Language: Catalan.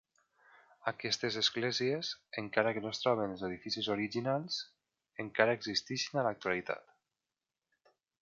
Aquestes esglésies, encara que no es troben als edificis originals, encara existeixen a l"actualitat.